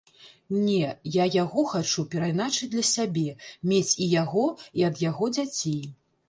Не, я яго хачу перайначыць для сябе, мець і яго і ад яго дзяцей.